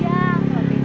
kau tuh kakak